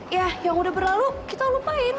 ya yang udah berlalu kita lupain